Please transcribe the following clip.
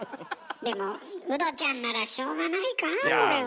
でもウドちゃんならしょうがないかなこれは。